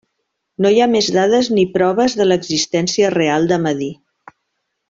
No hi ha més dades ni proves de l'existència real de Medir.